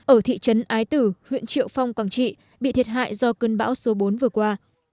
ở thị trấn ái tử huyện triệu phong quảng trị bị thiệt hại do cơn bão số bốn vừa qua